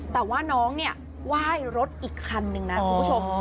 แต่ว่าน้องเนี่ยไหว้รถอีกคันนึงนะคุณผู้ชม